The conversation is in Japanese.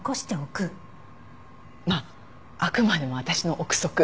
まああくまでも私の臆測。